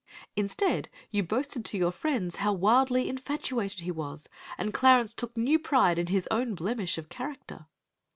Instead, you boasted to your friends how wildly infatuated he was, and Clarence took new pride in his own blemish of character.